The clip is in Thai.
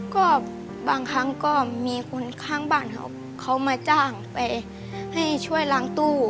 ก็บางครั้งก็มีคนข้างบ้านเขามาจ้างไปให้ช่วยล้างตู้